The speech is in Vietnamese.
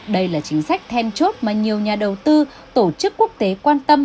đây là chính sách then chốt mà nhiều nhà đầu tư tổ chức quốc tế quan tâm